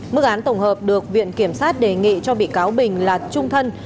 mức án tổng hợp được viện kiểm sát đề nghị cho bị cáo bình là trung thân